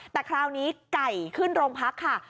แต่คราวนี้ไก่ขึ้นโรงพักค่ะ